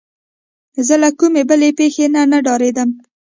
زه له کومې بلې پېښې نه ډارېدم.